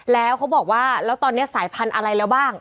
แล้วเขาบอกว่าแล้วตอนนี้สายพันธุ์อะไรแล้วบ้าง